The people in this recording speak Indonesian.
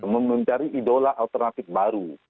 memenuhi idola alternatif baru